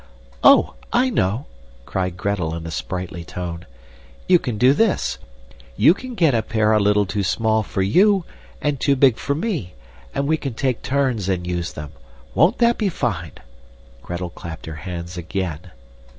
"Oh! I know!" cried Gretel in a sprightly tone. "You can do this. You can get a pair a little too small for you, and too big for me, and we can take turns and use them. Won't that be fine?" Gretel clapped her hands again.